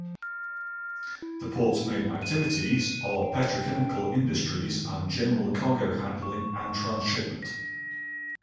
The port's main activities are petrochemical industries and general cargo handling and transshipment.